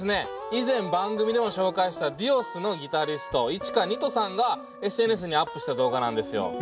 以前番組でも紹介したＤｉｏｓのギタリストＩｃｈｉｋａＮｉｔｏさんがＳＮＳにアップした動画なんですよ。